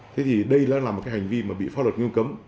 thế thì đây là một hành vi bị pháp luật nghiêm cấm